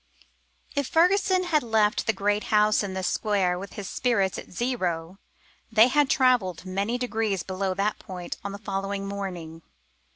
If Fergusson had left the great house in the square with his spirits at zero, they had travelled many degrees below that point on the following morning.